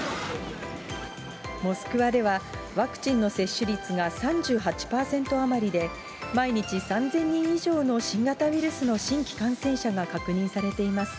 モスクワではワクチンの接種率が３８％余りで、毎日３０００人以上の新型ウイルスの新規感染者が確認されています。